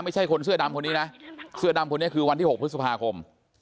ไม่ใช่คนเสื้อดำคนนี้นะเสื้อดำคนนี้คือวันที่๖พฤษภาคม